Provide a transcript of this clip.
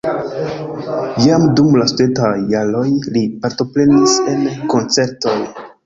Jam dum la studentaj jaroj li partoprenis en koncertoj.